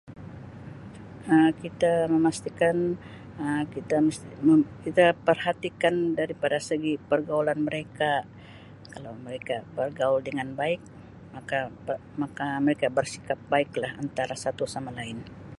Um Kita memastikan Um kita mesti Um kita perhatikan daripad segi pergaulan mereka kalau mereka bergaul dengan baik maka maka mereka bersikap baik lah antara satu sama lain.